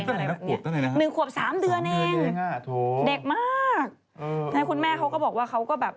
ตั้งแต่๑ขวบ๓เดือนเองเด็กมากคุณแม่เขาก็บอกว่าเขาก็แบบ